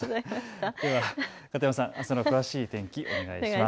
では片山さん、あすの詳しい天気をお願いします。